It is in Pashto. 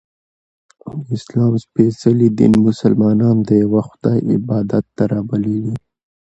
د اسلام څپېڅلي دین ملسلمانان د یوه خدایﷻ عبادت ته رابللي